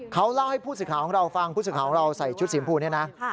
เขาเล่าให้ผู้ศึกษาของเราฟังผู้ศึกษาของเราใส่ชุดสีมพูดเนี่ยนะ